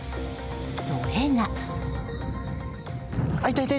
それが。